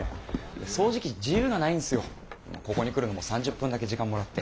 ここに来るのも３０分だけ時間もらって。